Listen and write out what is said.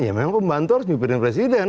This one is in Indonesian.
ya memang pembantu harus mimpin presiden